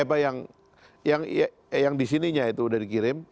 eh pak yang disininya itu sudah dikirim